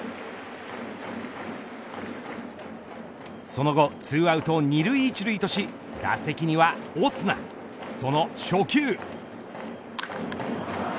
その後２アウト２塁１塁とし打席にはオスナその初球。